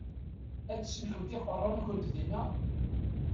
Ad tsellkemt iqeṛṛa-nkent dinna?